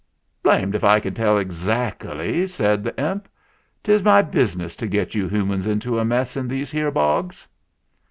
"Blamed if I can tell ezacally," said the imp. " 'Tis my business to get you humans into a mess in these here bogs."